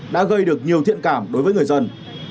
đã gây được nhiều thiện cảm đối với người dân